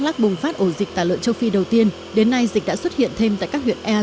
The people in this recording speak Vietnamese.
lắc bùng phát ổ dịch tả lợn châu phi đầu tiên đến nay dịch đã xuất hiện thêm tại các huyện ea